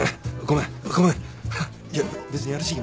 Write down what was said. ごめん。